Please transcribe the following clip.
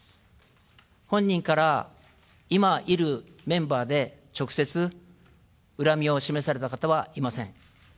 本人から、今いるメンバーで直接、恨みを示された方はいません。